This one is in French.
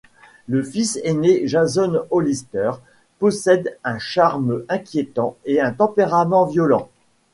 Le fils aîné, Jason Hollister, possède un charme inquiétant et un tempérament violent.